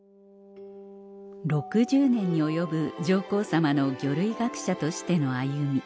６０年に及ぶ上皇さまの魚類学者としての歩み